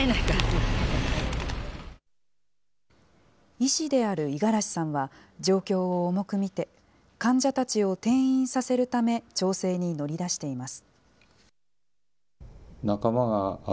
医師である五十嵐さんは、状況を重く見て、患者たちを転院させるため、調整に乗り出しています。